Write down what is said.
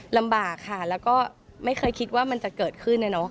ลำบากค่ะแล้วก็ไม่เคยคิดว่ามันจะเกิดขึ้นนะเนอะ